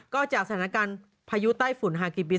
ก็จากสถานการณ์พายุใต้ฝุ่นฮากิบิน